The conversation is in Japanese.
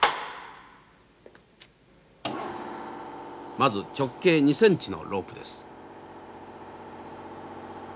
まず直径２センチのロープです。